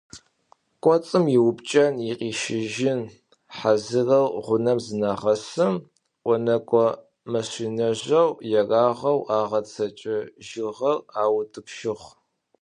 Коцым иупкӏэн, икъищыжьын хьазырэу гъунэм зынагъэсым, ӏонэкӏо машинэжъэу ерагъэу агъэцэкӏэжьыгъэр атӏупщыгъ.